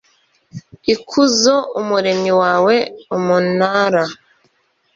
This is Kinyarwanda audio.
ikuzo Umuremyi wawe Umunara